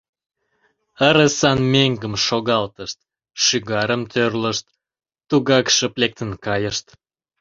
Ыресан меҥгым шогалтышт, шӱгарым тӧрлышт, тугак шып лектын кайышт.